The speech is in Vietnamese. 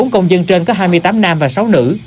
ba mươi bốn công dân trên có hai mươi tám nam và sáu nữ